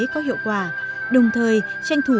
có hiệu quả đồng thời tranh thủ